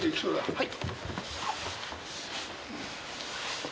はい！